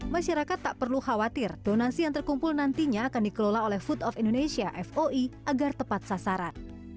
masyarakat tak perlu khawatir donasi yang terkumpul nantinya akan dikelola oleh food of indonesia foi agar tepat sasaran